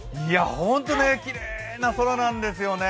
本当にきれいな空なんですよね。